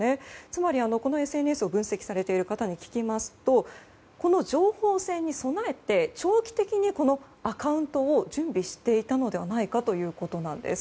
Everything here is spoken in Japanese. つまり、このＳＮＳを分析されている方によりますと情報戦に備えて、長期的にアカウントを準備していたのではないかということなんです。